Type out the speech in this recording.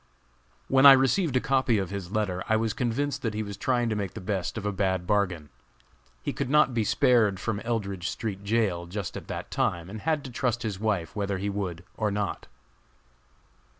When I received a copy of his letter, I was convinced that he was trying to make the best of a bad bargain. He could not be spared from Eldridge street jail just at that time and had to trust his wife whether he would or not.